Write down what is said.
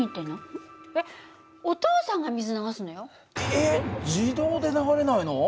えっ自動で流れないの？